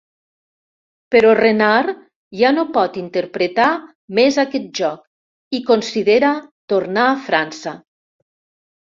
Però Renard ja no pot interpretar més aquest joc i considera tornar a França.